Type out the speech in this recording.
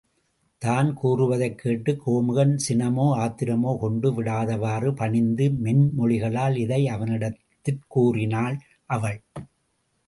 தான் கூறுவதைக் கேட்டுக் கோமுகன் சினமோ ஆத்திரமோ கொண்டு விடாதவாறு பணிந்த மென்மொழிகளால் இதை அவனிடத்திற் கூறினாள் அவள்.